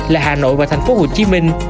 là hà nội và thành phố hồ chí minh